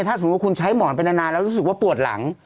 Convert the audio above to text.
ถ้าสมมุติคุณใช้หมอนไปนานแล้วรู้สึกว่าปวดหลัง